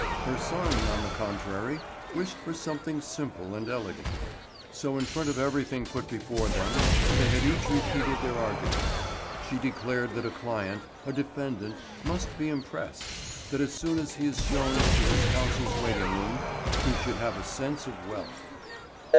Her son, on the contrary, wished for something simple and elegant. So in front of everything put before them they had each repeated their arguments. She declared that a client, a defendant, must be impressed; that as soon as he is shown into his counsel's waiting room he should have a sense of wealth.